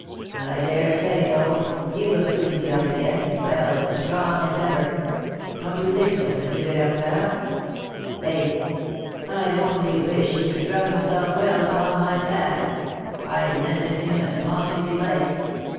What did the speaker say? I dare say, though, he will soon be up again, well and strong as ever. Don't you think so, M. le Docteur? Faith, I only wish he could drum himself well upon my back; I'd lend it him as long as he liked.